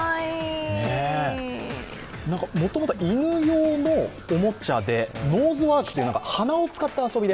もともとは犬用のおもちゃでノーズワークという鼻を使った遊びで、